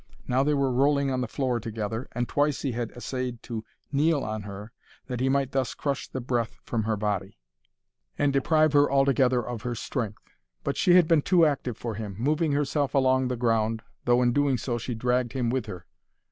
Now they were rolling on the floor together, and twice he had essayed to kneel on her that he might thus crush the breath from her body, and deprive her altogether of her strength; but she had been too active for him, moving herself along the ground, though in doing so she dragged him with her.